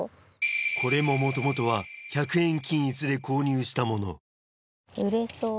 これももともとは百円均一で購入したもの売れそう。